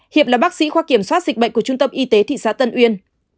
hiệp là bác sĩ khoa kiểm soát dịch bệnh của trung tâm y tế thị xã tân uyên